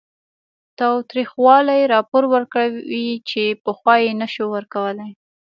تاوتریخوالي راپور ورکړي چې پخوا یې نه شو ورکولی